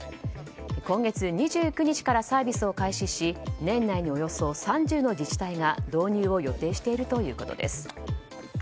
今月２９日からサービスを開始し年内におよそ３０の自治体が導入を予定しているということです。